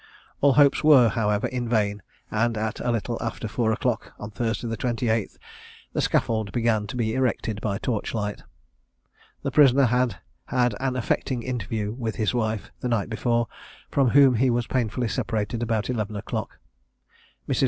All hopes were, however, vain, and at a little after four o'clock, on Thursday the 28th, the scaffold began to be erected by torch light. The prisoner had had an affecting interview with his wife, the night before, from whom he was painfully separated about eleven o'clock. Mrs.